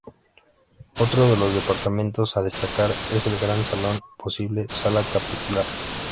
Otro de los departamentos a destacar es el gran salón, posible sala capitular.